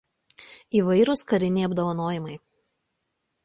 Įvairūs kariniai apdovanojimai.